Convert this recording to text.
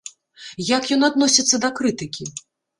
Як ён адносіцца да крытыкі?